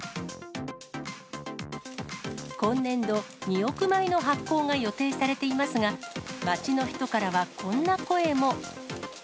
今年度、２億枚の発行が予定されていますが、街の人からはこんな声も。